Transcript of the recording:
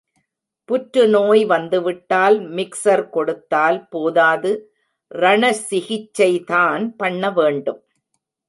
புற்றுநோய் வந்துவிட்டால் மிக்ஸர் கொடுத்தால் போதாது ரணசிகிச்சைதான் பண்ண வேண்டும்.